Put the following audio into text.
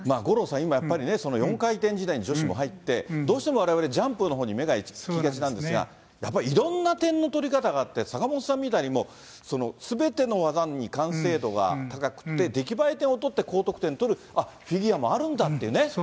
五郎さん、今、やっぱりね、４回転時代に女子も入って、どうしてもわれわれ、ジャンプのほうに目が行きがちなんですが、やっぱりいろんな点の取り方があって、坂本さんみたいに、もうすべての技に完成度が高くて、出来栄え点を取って高得点取るフィギュアもあるんだってね。